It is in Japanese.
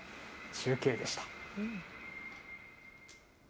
中継でした。